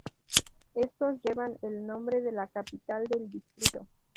Estos llevan el nombre de la capital del distrito.